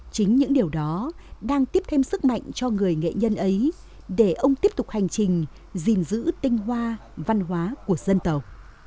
chính những điều đó đang tiếp thêm sức mạnh cho người nghệ nhân ấy để ông tiếp tục hành trình gìn giữ tinh hoa văn hóa của dân tộc